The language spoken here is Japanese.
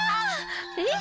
えっ？